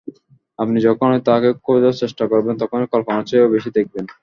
আপনি যখনই তাকে খোঁজার চেষ্টা করবেন, তখনই কল্পনার চেয়েও বেশি দেখবেন।